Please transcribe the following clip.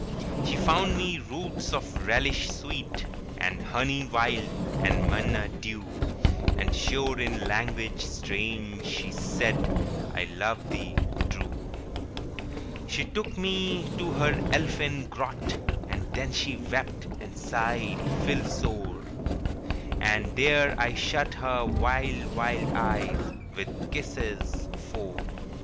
* She found me roots of relish sweet, And honey wild, and manna dew; And sure in language strange she said, " I love thee true." ' She took me to her elfin grot, And there she gazed, and sighed deep, And there I shut her wild sad eyes ŌĆö So kissed to sleep.